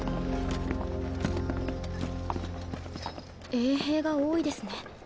衛兵が多いですね。